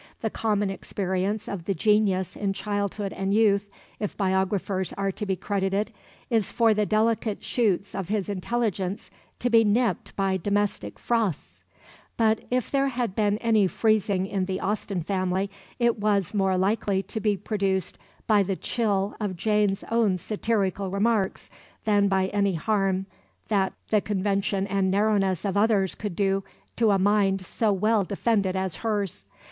The common experience of the genius in childhood and youth, if biographers are to be credited, is for the delicate shoots of his intelligence to be nipped by domestic frosts; but if there had been any freezing in the Austen family, it was more likely to be produced by the chill of Jane's own satirical remarks than by any harm that the convention and narrowness of others could do to a mind so well defended as hers.